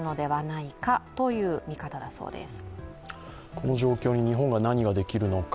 この状況に日本は何ができるのか。